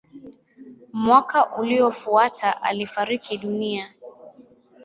Mwaka uliofuata alifariki dunia.